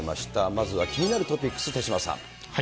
まずは気になるトピックス、手嶋さん。